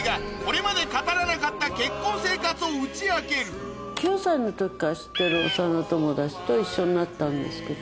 次週９歳の時から知ってる幼友達と一緒になったんですけど。